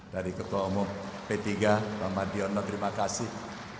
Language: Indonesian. dari ketua umum p tiga pak mardiono terima kasih